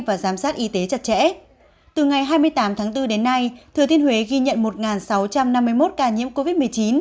và giám sát y tế chặt chẽ từ ngày hai mươi tám tháng bốn đến nay thừa thiên huế ghi nhận một sáu trăm năm mươi một ca nhiễm covid một mươi chín